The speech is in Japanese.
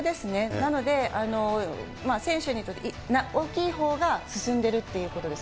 なので、選手にとって大きいほうが進んでるってことです。